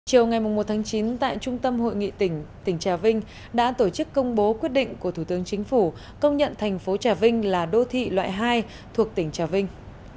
chiều ngày một tháng chín tại trung tâm hội nghị tỉnh tỉnh trà vinh đã tổ chức công bố quyết định của thủ tướng chính phủ công nhận thành phố trà vinh là đô thị loại hai thuộc tỉnh trà vinh